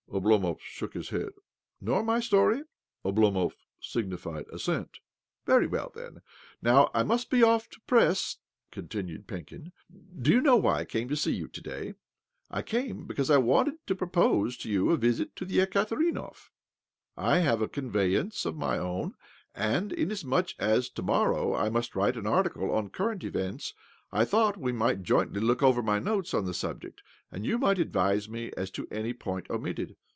Oblomov shook his head. " Nor my story? " Oblomov signified assent. " Very well, then. Now I must be off to press," continued Penkin. " Do you know 42 OBLOMOV why I came to see you to day? I .came because I wanted to propose to you a visit to the Ekaterinhov. I have a conveyance of my own, and, inasmuch as, to morrow, I must write an article on current events, I thought we might jointly look over my notes on the subject, and you might advise me as to any point omitted.